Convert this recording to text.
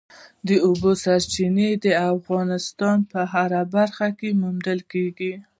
د اوبو سرچینې د افغانستان په هره برخه کې موندل کېږي.